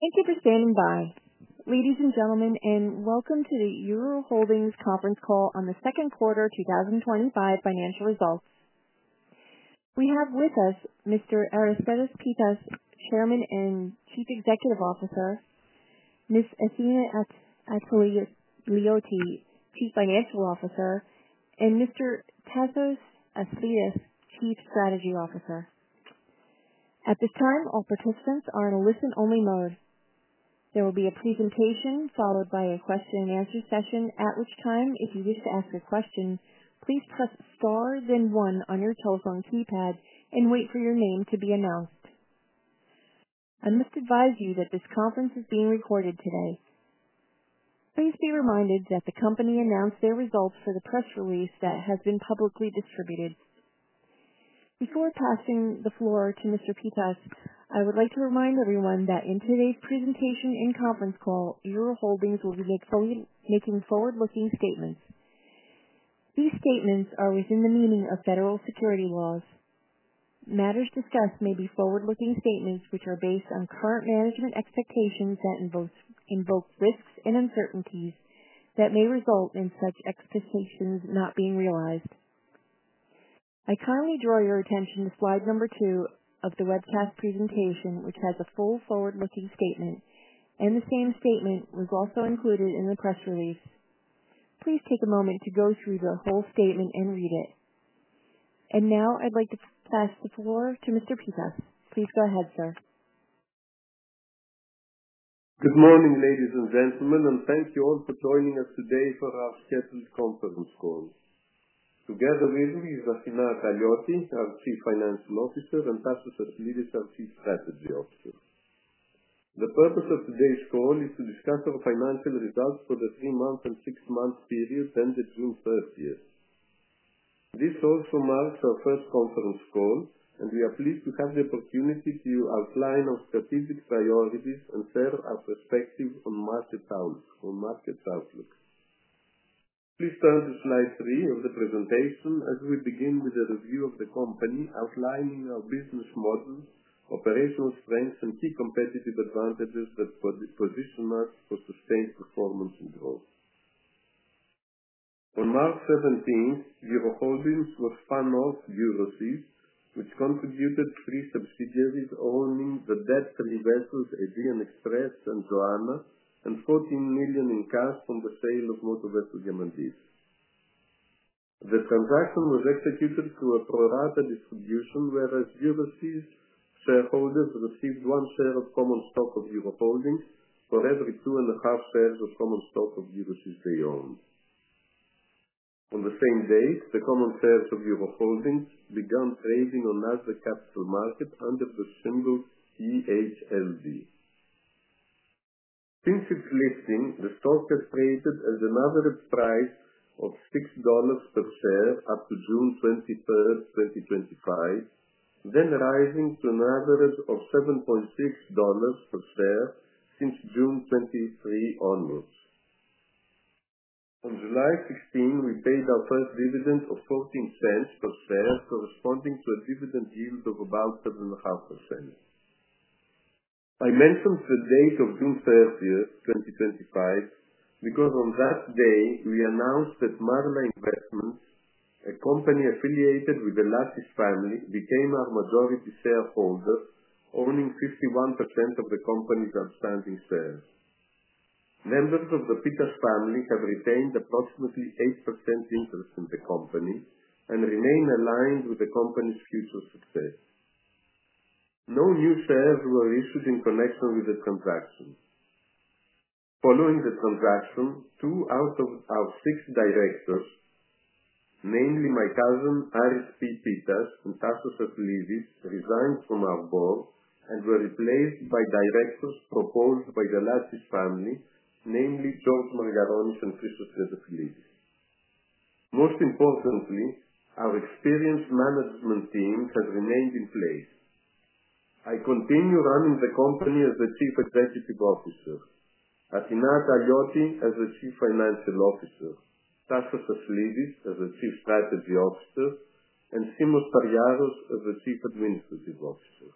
Thank you for standing by. Ladies and gentlemen, and welcome to the Euroholdings Conference Call on the Second Quarter 2025 Financial Results. We have with us Mr. Aristides Pittas, Chairman and Chief Executive Officer, Ms. Athina Atalioti, Chief Financial Officer, and Mr. Tasios Aslidis, Chief Strategy Officer. At this time, all participants are in a listen-only mode. There will be a presentation followed by a question and answer session, at which time, if you wish to ask a question, please press star then one on your telephone keypad and wait for your name to be announced. I must advise you that this conference is being recorded today. Please be reminded that the company announced their results for the press release that has been publicly distributed. Before passing the floor to Mr. Pittas, I would like to remind everyone that in today's presentation and conference call, Euroholdings will be making forward-looking statements. These statements are within the meaning of federal security laws. Matters discussed may be forward-looking statements which are based on current management expectations that involve risks and uncertainties that may result in such expectations not being realized. I kindly draw your attention to slide number two of the webcast presentation, which has a full forward-looking statement, and the same statement was also included in the press release. Please take a moment to go through the whole statement and read it. Now I'd like to pass the floor to Mr. Pittas. Please go ahead, sir. Good morning, ladies and gentlemen, and thank you all for joining us today for our scheduled conference call. Together with me is Athina Atalioti, our Chief Financial Officer, and Tasios Aslidis, our Chief Strategy Officer. The purpose of today's call is to discuss our financial results for the three-month and six-month periods ended June 1 this year. This also marks our first conference call, and we are pleased to have the opportunity to outline our strategic priorities and share our perspective on market outlook. Please turn to slide three of the presentation as we begin with a review of the company, outlining our business model, operational strengths, and key competitive advantages that put this position marked for sustained performance and growth. On March 17, Euroholdings was spun off from Euroseas, which contributed three subsidiaries owning the debt to the vessels AEGEAN EXPRESS and JOANNA, and $14 million in cash from the sale of motor vessel M&Ds. The transaction was executed through a pro-rata distribution, whereas Euroseas shareholders received one share of common stock of Euroholdings for every two and a half shares of common stock of Euroseas. On the same day, the common shares of Euroholdings began trading on the Nasdaq Capital Market under the symbol EHMV. Since its listing, the stock has traded at an average price of $6 per share up to June 23, 2025, then rising to an average of $7.60 per share since June 23 onwards. On July 16, we paid our first dividend of $0.14 per share, corresponding to a dividend yield of about 7.5%. I mentioned the date of June 3, 2025, because on that day, we announced that Marna Investments, a company affiliated with the Lassis family, became our majority shareholder, owning 51% of the company's outstanding shares. Members of the Pittas family have retained approximately 8% interest in the company and remain aligned with the company's future success. No new shares were issued in connection with the transaction. Following the transaction, two out of our six directors, namely my cousin Aris P. Pittas and Tasios Aslidis, resigned from our board and were replaced by directors proposed by the Lassis family, namely Todd Margaronis and Christopher Athides. Most importantly, our experienced management team has remained in place. I continue running the company as the Chief Executive Officer, Athina Atalioti as the Chief Financial Officer, Tasios Aslidis as the Chief Strategy Officer, and Symeon Pariaros as the Chief Administrative Officer.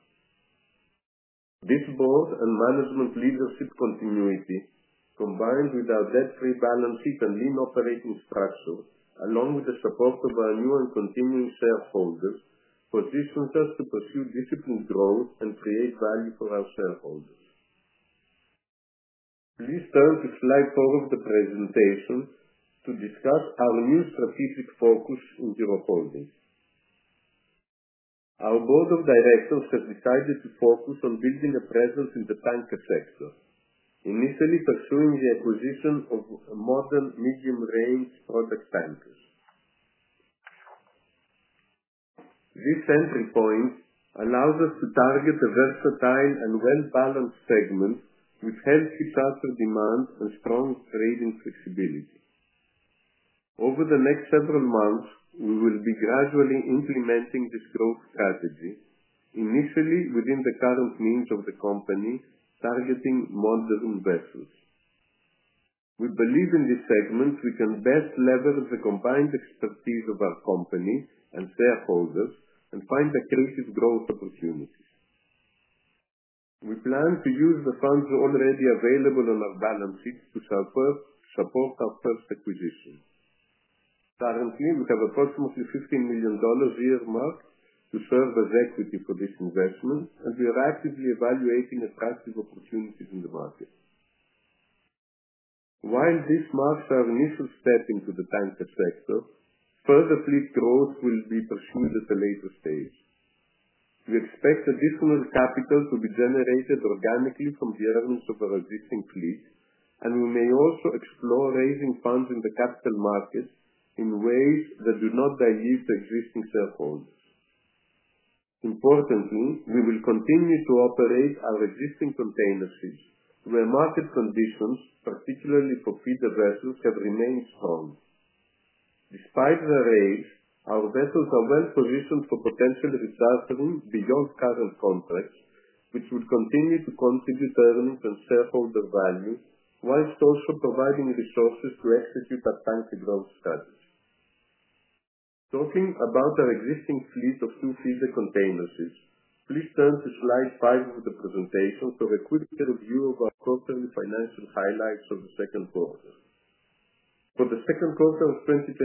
This board and management leadership continuity, combined with our debt-free balance sheet and lean operating structure, along with the support of our new and continuing shareholders, positions us to pursue disciplined growth and create value for our shareholders. Please turn to slide four of the presentation to discuss our new strategic focus in Euroholdings. Our board of directors has decided to focus on building a presence in the product tanker sector, initially pursuing the acquisition of a modern, medium-range product tanker. This entry point allows us to target a versatile and well-balanced segment, which hence gives us a demand and strong trading flexibility. Over the next several months, we will be gradually implementing this growth strategy, initially within the current niche of the company, targeting modern vessels. We believe in this segment we can best leverage the combined expertise of our company and shareholders and find the crucial growth opportunities. We plan to use the funds already available on our balance sheet to support our first acquisition. Currently, we have approximately $15 million a year marked to serve as equity for this investment, and we are actively evaluating attractive opportunities in the market. While this marks our initial step into the product tanker sector, further fleet growth will be pursued at a later stage. We expect additional capital to be generated organically from the earnings of our existing fleet, and we may also explore raising funds in the capital market in ways that do not dilute the existing shareholders. Importantly, we will continue to operate our existing container fleet, where market conditions, particularly for feeder container vessels, have remained strong. Despite the raise, our vessels are well-positioned for potential restructuring beyond current contracts, which would continue to contribute to earnings and shareholder value, whilst also providing resources to execute our tanker growth strategy. Talking about our existing fleet of two feeder container vessels, please turn to slide five of the presentation for a quick review of our quarterly financial highlights for the second quarter. For the second quarter of 2025,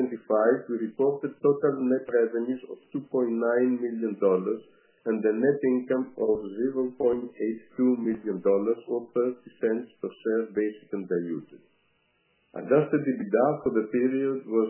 we reported total net revenues of $2.9 million and a net income of $0.82 million, or $0.30 per share basic and diluted. Adjusted EBITDA for the period was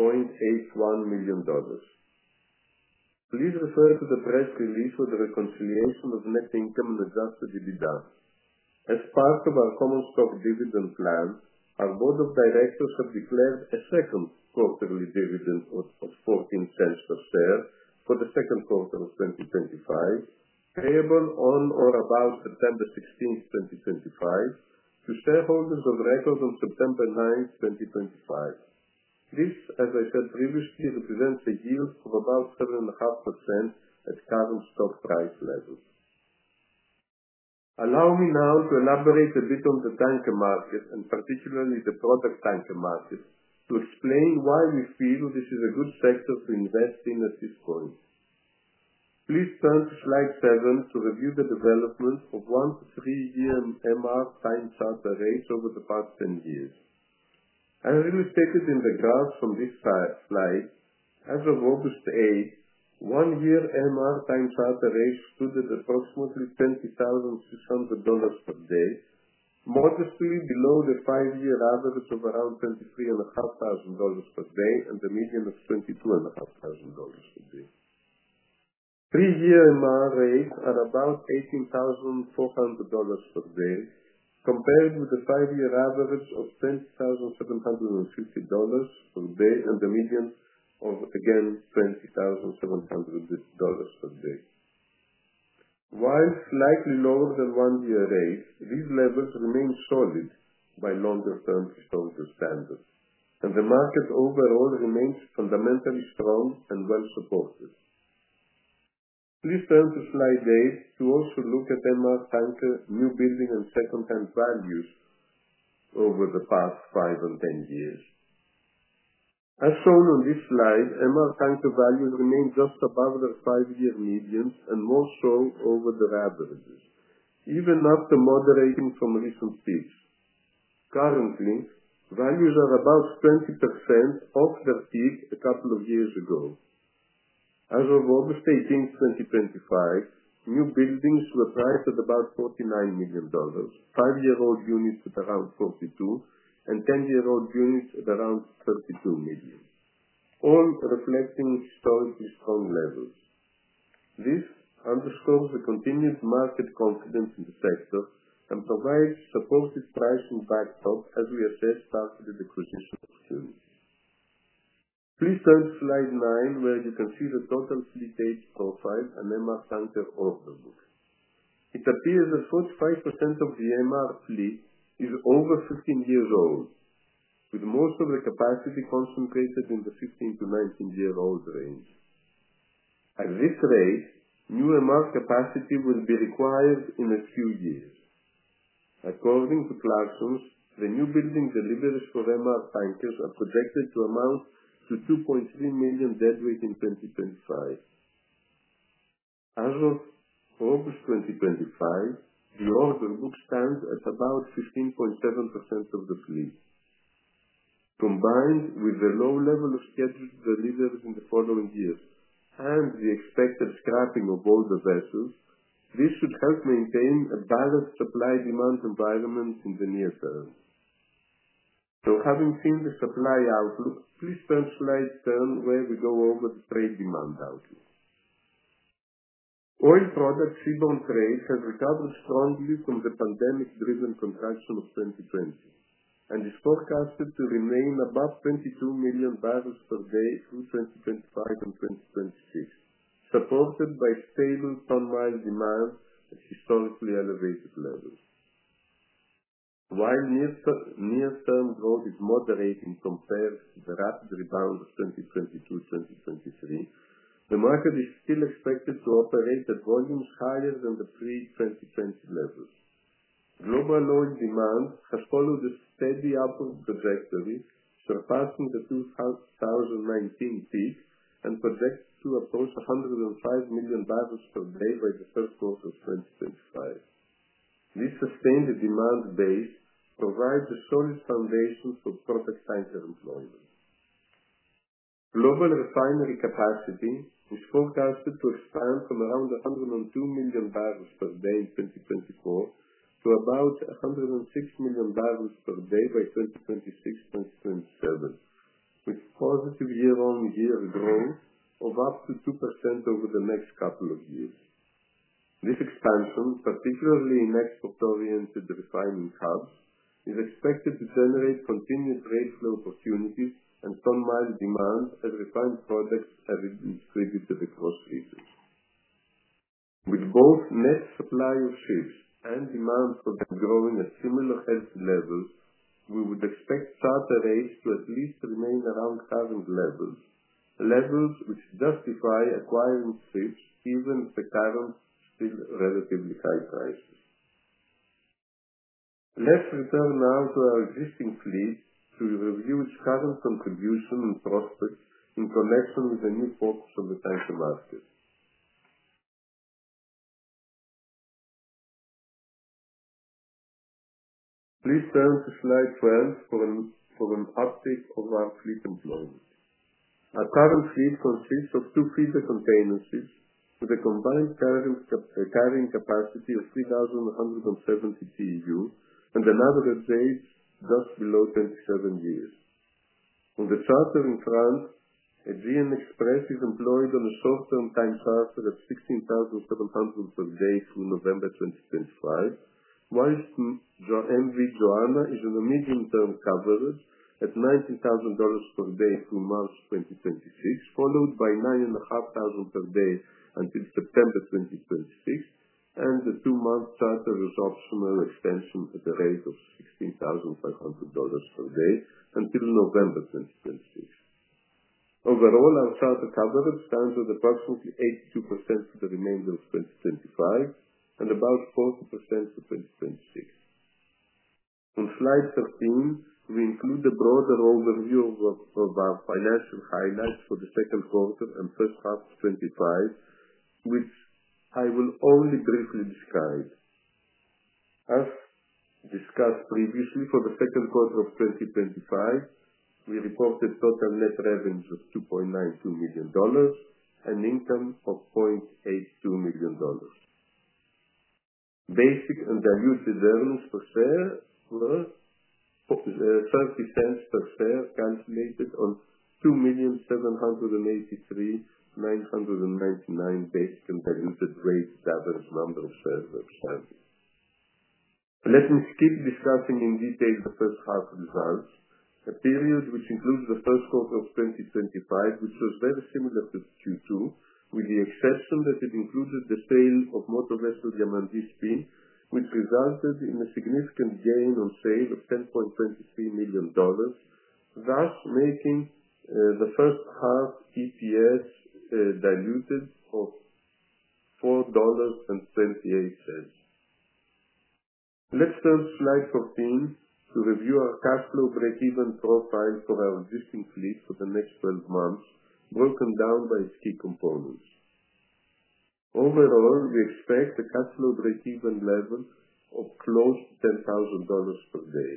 $0.81 million. Please refer to the press release for the reconciliation of net income and adjusted EBITDA. As part of our common stock dividend plan, our Board of Directors has declared a second quarterly dividend of $0.14 per share for the second quarter of 2025, payable on or about September 16, 2025, to shareholders of record on September 9, 2025. This, as I said previously, represents a yield of about 7.5% at current stock price level. Allow me now to elaborate a bit on the tanker market, and particularly the product tanker sector, to explain why we feel this is a good sector to invest in at this point. Please turn to slide seven to review the development of one to three-year MR time charter rates over the past 10 years. As illustrated in the graphs on this slide, as of August 8, one-year MR time charter rates included approximately $20,200 per day, modestly below the five-year average of around $23,500 per day and the median of $22,500 per day. Three-year MR rates are about $18,400 per day, compared with a five-year average of $20,750 per day and the median of, again, $20,700 per day. While slightly lower than one-year rates, these levels remain solid by longer-term performance standards, and the market overall remains fundamentally strong and well supported. Please turn to slide eight to also look at MR tanker newbuilding and second-hand values over the past five and ten years. As shown on this slide, MR tanker values remain just above their five-year median and more so over their averages, even after moderating from recent peaks. Currently, values are about 20% off their peak a couple of years ago. As of August 18, 2025, newbuildings were priced at about $49 million, five-year-old units at around $42 million, and ten-year-old units at around $32 million, all reflecting historically strong levels. This underscores the continued market confidence in the sector and provides a supportive pricing factor as we assess targeted acquisition opportunities. Please turn to slide nine, where you can see the total fleet age profile and MR tanker order book. It appears that 45% of the MR fleet is over 15 years old, with most of the capacity concentrated in the 15 to 19-year-old range. At this rate, new MR capacity will be required in a few years. According to Clarkson, the new buildings delivered for MR tankers are projected to amount to 2.3 million deadweight in 2025. As of August 2025, the order book stands at about 15.7% of the fleet. Combined with the low level of scheduled delivery in the following year and the expected scrapping of older vessels, this should help maintain a balanced supply-demand environment in the near term. Having seen the supply outlook, please turn to slide seven, where we go over the trade demand outlook. Oil products seaborne trade has recovered strongly from the pandemic-driven contraction of 2020, and is forecasted to remain above 22 million barrels per day through 2025 and 2026, supported by stable palm oil demand at historically elevated levels. While near-term growth is moderating compared to the rapid rebound of 2022-2023, the market is still expected to operate at volumes higher than the pre-2020 level. Global oil demand has followed a steady upward trajectory, surpassing the 2019 peak, and projects to approach 105 million barrels per day by the first quarter of 2025. This sustained demand base provides a solid foundation for product tanker employment. Global refinery capacity is forecasted to expand from around 102 million barrels per day in 2024 to about 106 million barrels per day by 2026-2027, with positive year-on-year growth of up to 2% over the next couple of years. This expansion, particularly in export-oriented refining hubs, is expected to generate continued trade flow opportunities and palm oil demand as refined products are redistributed across regions. With both net supply of ships and demand for them growing at similar healthy levels, we would expect charter rates to at least remain around current levels, levels which justify acquiring ships, even if the current is still relatively high prices. Please refer now to our existing fleet to review its current contribution and prospects in connection with the new focus on the tanker market. Please turn to slide 12 for an update of our fleet employment. Our current fleet consists of two feeder container vessels with a combined carrying capacity of 3,170 CEU and an average age just below 27 years. On the charter in front, AEGEAN EXPRESS is employed on a short-term time charter at $16,700 per day through November 2025, whilst the JOANNA is on a medium-term coverage at $19,000 per day through March 2026, followed by $9,500 per day until September 2026, and the two-month charter results from an extension at a rate of $16,500 per day until November 2026. Overall, our charter coverage stands at approximately 82% for the remainder of 2025 and about 25% for 2026. On slide 13, we include a broader overview of our financial highlights for the second quarter and first half of 2025, which I will only briefly describe. As discussed previously, for the second quarter of 2025, we reported total net revenues of $2.92 million and net income of $0.82 million. Basic and diluted earnings per share were $0.50 per share, calculated on 2,783,999 basic and diluted average number of shareholders. Let me skip discussing in detail the first half of the results, a period which includes the first quarter of 2025, which was very similar to Q2, with the exception that it included the sale of motor vessel M&Ds team, which resulted in a significant gain on sale of $10.23 million, thus making the first half EPS diluted of $4.28. Let's turn to slide 14 to review our cash flow breakeven profile for our existing fleet for the next 12 months, broken down by key components. Overall, we expect a cash flow breakeven level of close to $10,000 per day.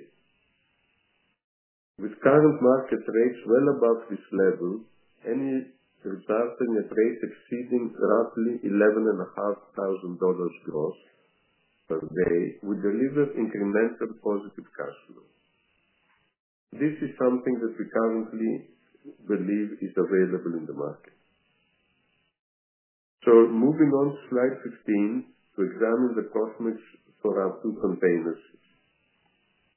With current market rates well above this level, any departing at rates exceeding roughly $11,500 per day would deliver incremental positive cash flow. This is something that we currently believe is available in the market. Moving on to slide 15 to examine the cost mix for our two containers.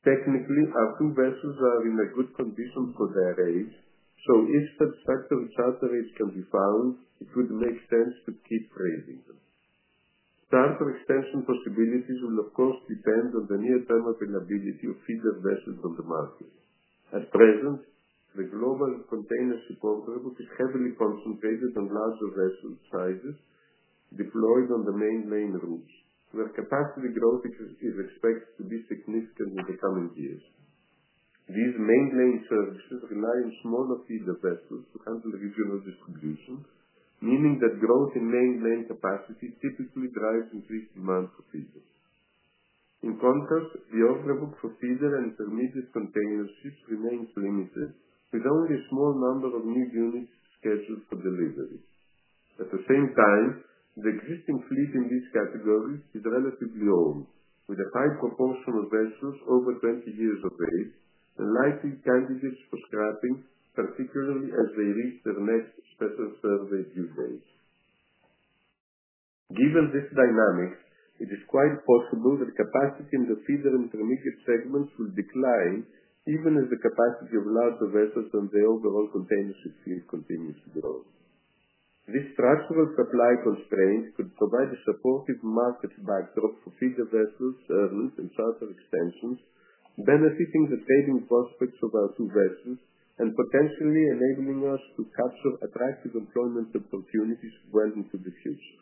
Technically, our two vessels are in a good condition for their rates, so if satisfactory charter rates can be found, it would make sense to keep raising them. Charter extension possibilities will, of course, depend on the near-term availability of feeder vessels on the market. At present, the global container ship order book is heavily concentrated on larger vessel sizes deployed on the mainline routes, where capacity growth is expected to be significant in the coming years. These mainline services rely on smaller feeder vessels to handle regional distribution, meaning that growth in mainline capacity typically drives increased demand for feeders. In contrast, the order book for feeder container vessels remains limited, with only a small number of new units scheduled for delivery. At the same time, the existing fleet in this category is relatively old, with a high proportion of vessels over 20 years of age and likely candidates for scrapping, particularly as they reach their next better service usage. Given this dynamic, it is quite possible that capacity in the feeder container vessel segment will decline even as the capacity of larger vessels in the overall container ship fleet continues to grow. This structural supply constraint could provide a supportive market backdrop for feeder vessels, earnings, and charter extensions, benefiting the trading prospects of our two vessels and potentially enabling us to capture attractive employment opportunities well into the future.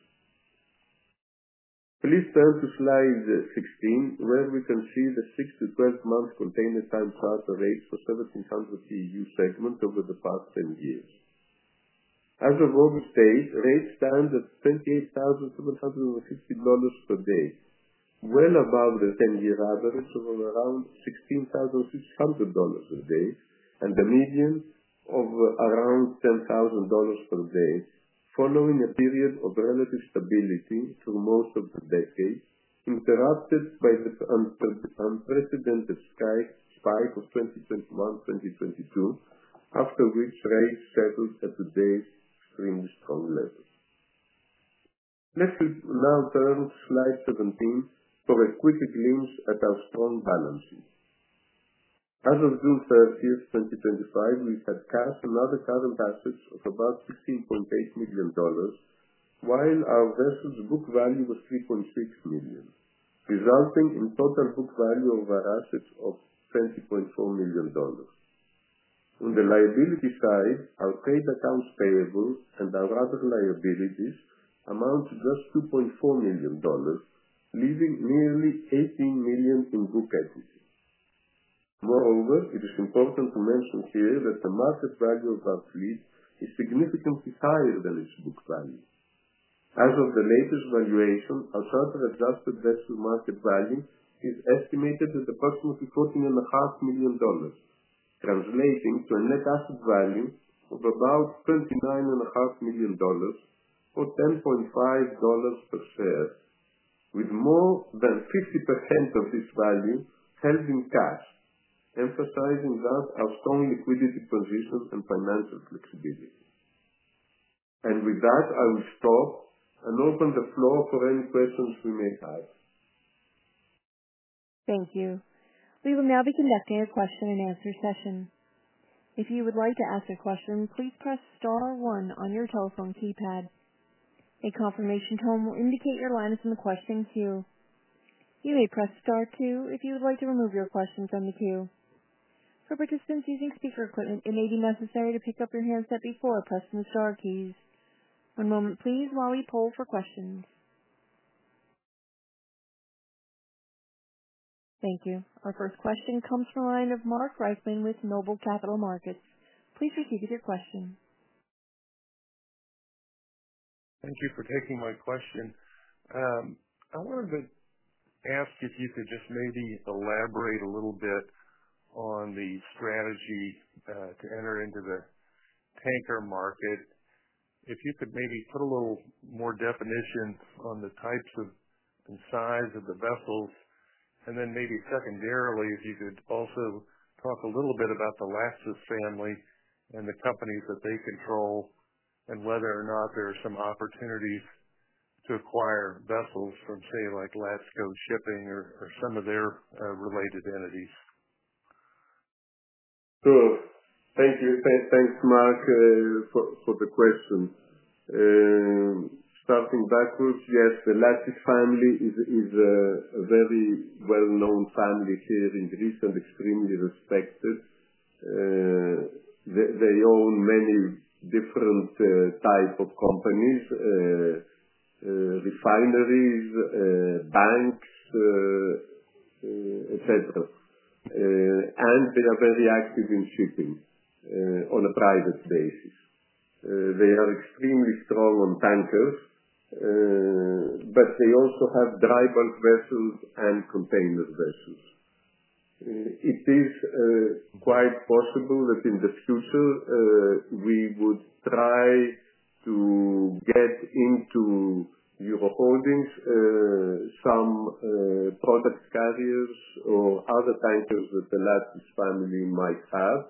Please turn to slide 16, where we can see the six to 12-month container time charter rates for the 1,700 TEU segment over the past 10 years. As of August 8, rates stand at $28,750 per day, well above the 10-year average of around $16,600 per day and a median of around $10,000 per day, following a period of relative stability through most of the decade, interrupted by the unprecedented spike of 2021-2022, after which rates settled at today's extremely-strong level. Let's now turn to slide 17 for a quick glimpse at our strong balances. As of June 1, 2025, we've had cash and other current assets of about $15.8 million, while our vessels' book value was $3.6 million, resulting in total book value of our assets of $20.4 million. On the liability side, our trade accounts payable and our other liabilities amount to just $2.4 million, leaving nearly $18 million in book equity. Moreover, it is important to mention here that the market value of our fleet is significantly higher than its book value. As of the latest valuation, our charter-adjusted vessel market value is estimated at approximately $14.5 million, translating to a net asset value of about $29.5 million or $10.5 per share, with more than 50% of this value held in cash, emphasizing thus our strong liquidity position and financial flexibility. I will stop and open the floor for any questions we may have. Thank you. We will now be conducting a question-and-answer session. If you would like to ask a question, please press star one on your telephone keypad. A confirmation tone will indicate your line is in the question queue. You may press star two if you would like to remove your question from the queue. For participants using speaker equipment, it may be necessary to pick up your handset before pressing the star keys. One moment, please, while we poll for questions. Thank you. Our first question comes from a line of Mark Reichman with Noble Capital Markets. Please proceed with your question. Thank you for taking my question. I wanted to ask if you could just maybe elaborate a little bit on the strategy to enter into the tanker market. If you could maybe put a little more definition on the types of and size of the vessels, and then maybe secondarily, if you could also talk a little bit about the Lassis family and the companies that they control, and whether or not there are some opportunities to acquire vessels from, say, like Lasso Shipping or some of their related entities. Thank you. Thanks, Mark, for the question. Starting backwards, yes, the Lassis family is a very well-known family here in Greece and extremely respected. They own many different types of companies, refineries, banks, etc. They are very active in shipping on a private basis. They are extremely strong on tankers, but they also have dry bulk vessels and container vessels. It is quite possible that in the future, we would try to get into Euroholdings some product carriers or other tankers that the Lassis family might have.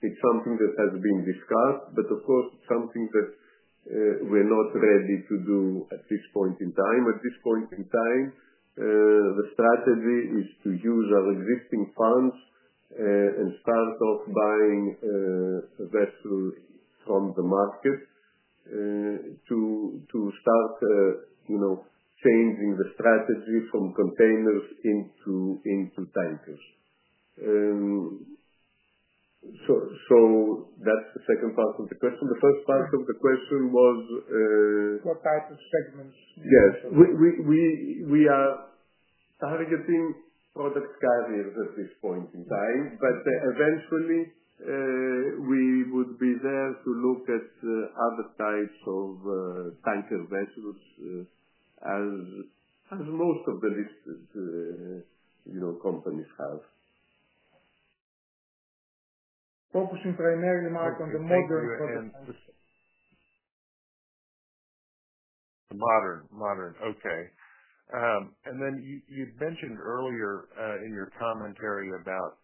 It's something that has been discussed, but of course, it's something that we're not ready to do at this point in time. At this point in time, the strategy is to use our existing funds and start off buying vessels from the market to start changing the strategy from containers into tankers. That's the second part of the question. The first part of the question was. What type of segments? Yes. We are targeting product carriers at this point in time, but eventually, we would be there to look at other types of tanker vessels as most of the listed companies have. Focusing primarily, Mark, on the modern product sector. Okay. You mentioned earlier in your commentary about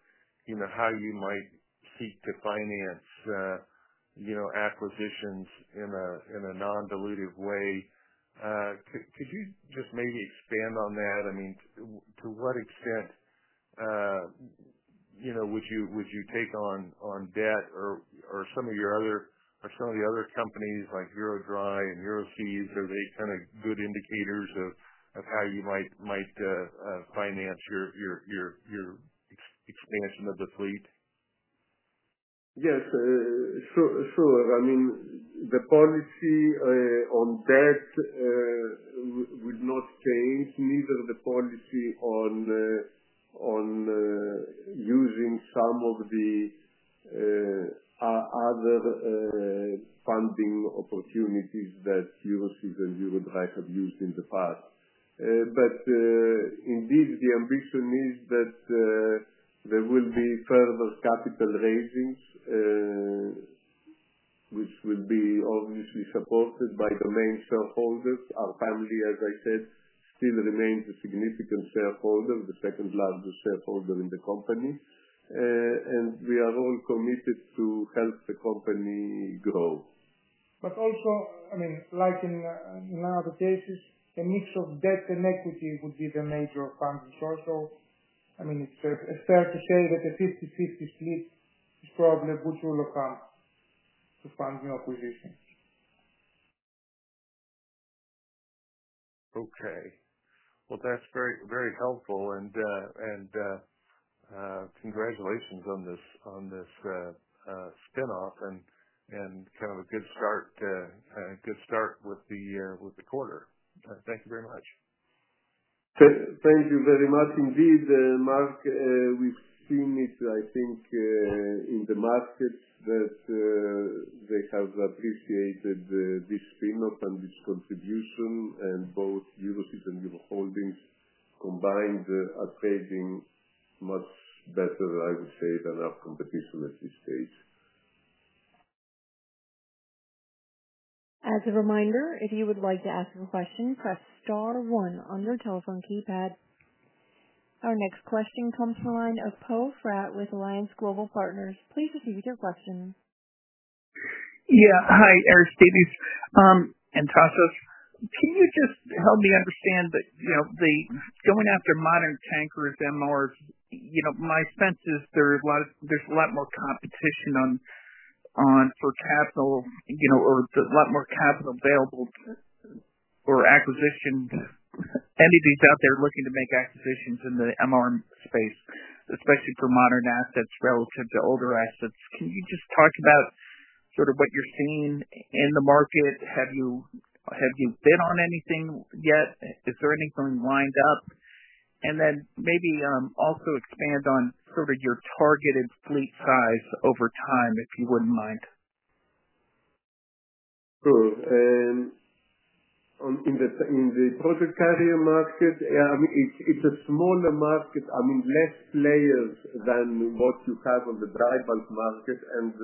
how you might seek to finance acquisitions in a non-dilutive way. Could you just maybe expand on that? I mean, to what extent would you take on debt or some of the other companies like Eurodry and Euroseas, are they kind of good indicators of how you might finance your expansion of the fleet? Yes. I mean, the policy on debts would not change, neither the policy on using some of the other funding opportunities that Euroseas and Eurodry have used in the past. Indeed, the ambition is that there will be further capital raising, which will be obviously supported by the main shareholders. Our family, as I said, still remains a significant shareholder, the second largest shareholder in the company. We are all committed to help the company grow. Like in other cases, a mix of debt and equity would be the major fund resource. I mean, it's fair to say that a 50/50 fleet is probably a good rule of thumb to find new acquisition. Okay. That's very, very helpful. Congratulations on this spin-off and kind of a good start with the quarter. Thank you very much. Thank you very much. Indeed, Mark, we've seen it, I think, in the markets that they have appreciated this spin-off and its contribution, and both Euroseas and Euroholdings combined are trading much better, I would say, than our competition at this stage. As a reminder, if you would like to ask a question, press star one on your telephone keypad. Our next question comes from a line of Poe Fratt with Alliance Global Partners. Please proceed with your question. Yeah. Hi, Aristides. Tasios, can you just help me understand that, you know, they're going after modern tankers, MRs, you know, my sense is there is a lot more competition for capital, you know, or a lot more capital available for acquisition entities out there looking to make acquisitions in the MR space, especially for modern assets relative to older assets. Can you just talk about what you're seeing in the market? Have you been on anything yet? Is there anything lined up? Maybe also expand on your targeted fleet size over time, if you wouldn't mind. In the product carrier market, it's a smaller market. There are less players than what you have in the dry bulk market, and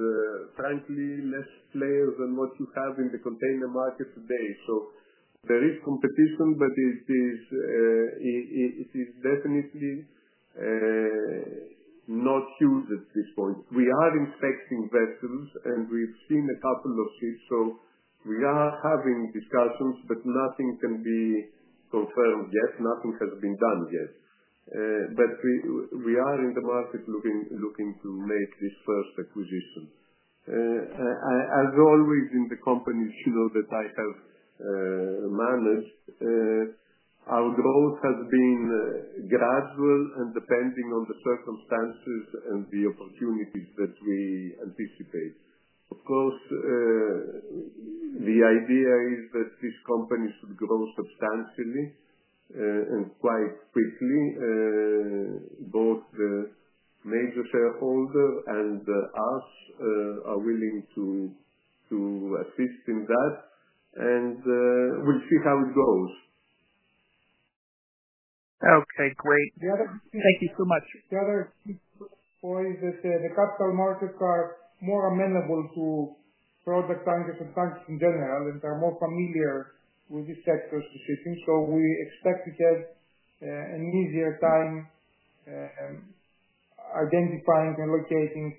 frankly, less players than what you have in the container market today. There is competition, but it is definitely not huge at this point. We are inspecting vessels, and we've seen a couple of these. We are having discussions, but nothing can be confirmed yet. Nothing has been done yet. We are in the market looking to make this first acquisition. As always, in the companies that I have managed, our growth has been gradual and depending on the circumstances and the opportunities that we anticipate. Of course, the idea is that this company should grow substantially and quite quickly. Both the major shareholder and us are willing to assist in that, and we'll see how it goes. Okay. Great. Thank you so much. The other point is that the capital markets are more amenable to product targeted companies in general and are more familiar with this sector of decision. We expect to have an easier time identifying and locating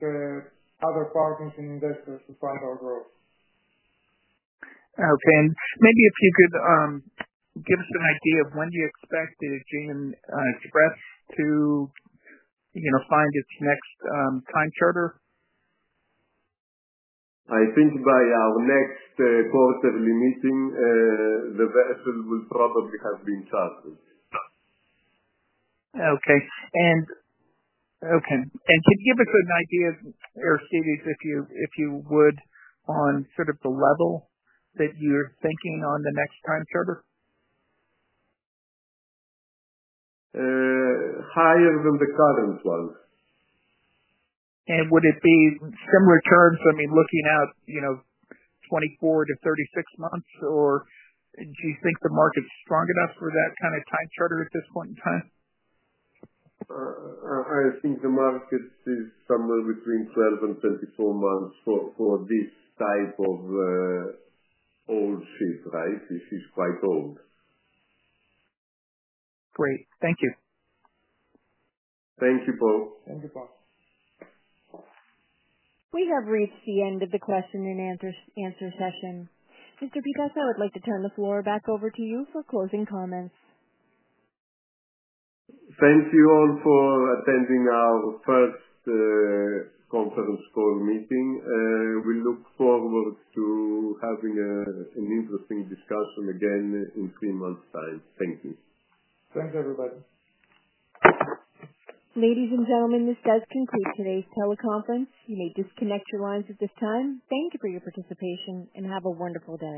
other partners and investors to fight our growth. Okay. Maybe if you could give us an idea of when you expect AEGEAN EXPRESS to, you know, find its next time charter? I think by our next quarterly meeting, the vessel will probably have been chartered. Okay. Could you give us an idea, Aristides, if you would, on sort of the level that you're thinking on the next time charter? Higher than the current one. Would it be similar terms? I mean, looking out, you know, 24 to 36 months, or do you think the market's strong enough for that kind of time charter at this point in time? I think the market is somewhere between 12 months and 24 months for this type of old ship, right? This is quite old. Great. Thank you. Thank you, Poe. Thank you, Poe. We have reached the end of the question and answer session. Mr. Pittas, I would like to turn the floor back over to you for closing comments. Thank you all for attending our first conference call meeting. We look forward to having an interesting discussion again in three months' time. Thank you. Thanks, everybody. Ladies and gentlemen, this does conclude today's teleconference. You may disconnect your lines at this time. Thank you for your participation and have a wonderful day.